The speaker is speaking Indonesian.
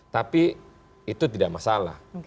tapi itu tidak masalah